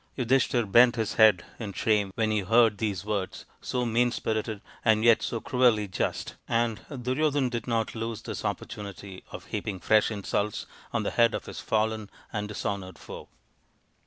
Yudhishthir bent his head in shame when he heard these words, so mean spirited and yet so cruelly just, and Duryodhan did not lose this oppor tunity of heaping fresh insults on the head of his fallen and dishonoured foe.